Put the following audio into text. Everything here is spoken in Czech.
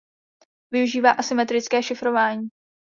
Využívá asymetrické šifrování.